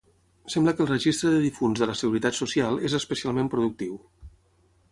Sembla que el registre de difunts de la Seguretat Social és especialment productiu.